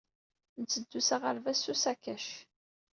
Netteddu s aɣerbaz s usakac.